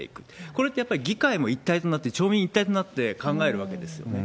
これってやっぱり、議会も一体となって、町民一体となって考えるわけですよね。